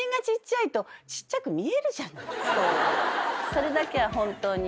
それだけは本当に。